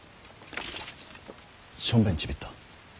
しょんべんちびった。